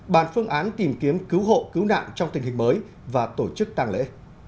bàn phương án tìm kiếm cứu hộ cứu nạn trong tình hình mới và tổ chức tàng lễ